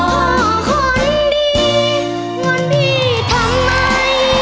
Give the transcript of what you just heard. พ่อคนดีงอนพี่ทำไม